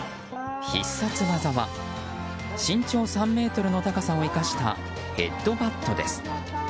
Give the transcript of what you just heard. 必殺技は身長３ｍの高さを生かしたヘッドバットです。